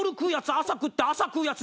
朝食って朝食うやつ